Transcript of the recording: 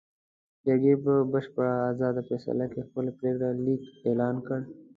جرګې په بشپړه ازاده فضا کې خپل پرېکړه لیک اعلان کړ.